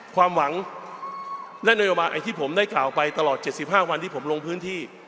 ความหวังและนโยบายไอ้ที่ผมได้กล่าวไปตลอด๗๕วันที่ผมลงพื้นที่